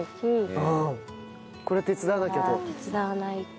こりゃ手伝わなきゃと？